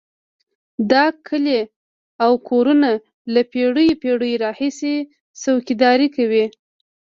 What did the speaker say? دا کلي او کورونه له پېړیو پېړیو راهیسې څوکیداري کوي.